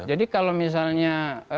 jadi kalau misalnya